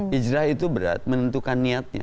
hijrah itu berat menentukan niatnya